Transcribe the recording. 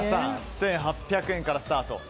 １８００円からスタート。